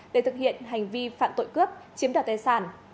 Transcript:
để thực hiện hành vi phạm tội cướp chiếm đoạt tài sản